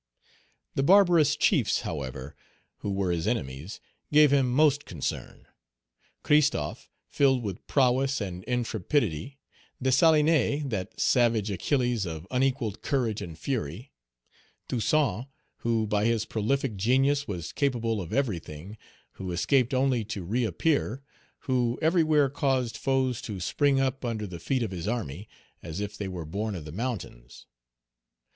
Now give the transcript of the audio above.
The barbarous chiefs, however, who were his enemies, gave him most concern; Christophe, filled with prowess and intrepidity; Dessalines, that savage Achilles, of unequalled courage and fury; Toussaint, who by his prolific genius was capable of everything, who escaped only to reappear, who everywhere caused foes to spring up under the feet of his army, as if they were born of the mountains.